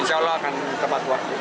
insya allah akan tepat waktu